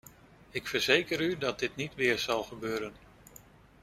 Ik verzeker u dat dit niet weer zal gebeuren.